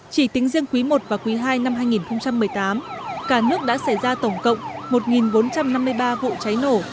chỉ tính riêng quý i và quý ii năm hai nghìn một mươi tám cả nước đã xảy ra tổng cộng một bốn trăm năm mươi ba vụ cháy nổ